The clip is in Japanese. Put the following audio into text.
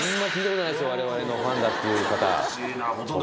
われわれのファンだっていう方。